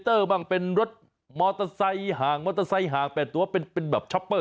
มากมายเป็นรถร้อยตัวมาไต้รถร้อยตัวเป็นแบบช็อปเปอร์